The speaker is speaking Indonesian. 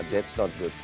itu tidak bagus